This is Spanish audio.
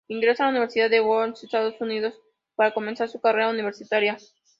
Ingresa a la Universidad de Wyoming, Estados Unidos, para comenzar su carrera universitaria.